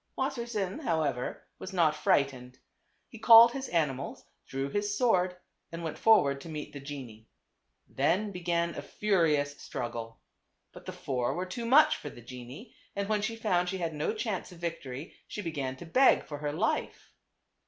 Wassersein, however, was not frightened. He called his animals, drew his sword and went for ward to meet the genie. Then began a furious struggle. But the four were too much for the genie, and when she found she had no chance of victory she began to beg for her life.